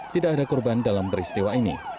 tidak ada korban dalam peristiwa ini